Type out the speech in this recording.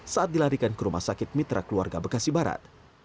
saat dilarikan ke rumah sakit mitra keluarga bekasi barat